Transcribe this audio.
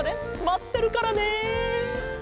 まってるからね。